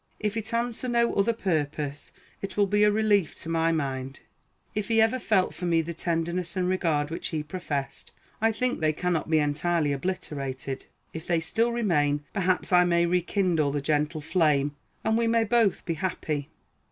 If it answer no other purpose, it will be a relief to my mind. If he ever felt for me the tenderness and regard which he professed, I think they cannot be entirely obliterated. If they still remain, perhaps I may rekindle the gentle flame, and we may both be happy.